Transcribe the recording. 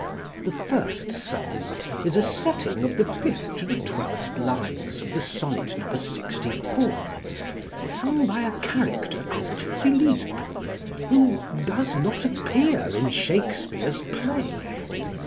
The first song is a setting of the fifth to the twelfth lines of the Sonnet No. 64, sung by a character called Philippe, who does not appear in Shakespeare's play.